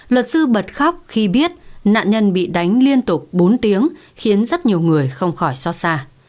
luật sư bật khóc khi biết nạn nhân bị đánh liên tục bốn tiếng khiến rất nhiều người không khỏi xót xa